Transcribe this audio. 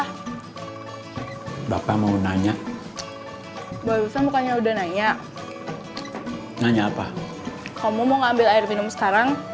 hai bapak menggunanya barusan mukanya udah nyanyi nanya apa kamu mau ngambil air minum sekarang